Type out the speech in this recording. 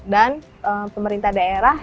dan pemerintah daerah